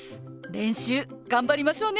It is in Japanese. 練習頑張りましょうね！